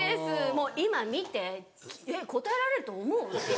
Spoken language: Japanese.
もう「今見てえっ答えられると思う？